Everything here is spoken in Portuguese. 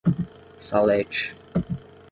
Salete